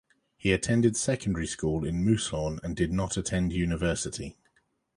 He attended secondary school in Moosehorn, and did not attend university.